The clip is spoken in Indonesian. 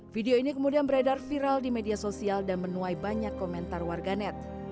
video ini kemudian beredar viral di media sosial dan menuai banyak komentar warganet